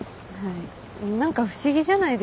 何か不思議じゃないですか？